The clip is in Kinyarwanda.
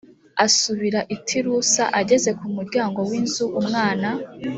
asubira i tirusa ageze ku muryango w inzu umwana